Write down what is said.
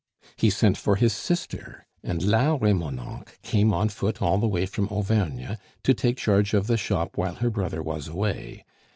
He sent for his sister, and La Remonencq came on foot all the way from Auvergne to take charge of the shop while her brother was away.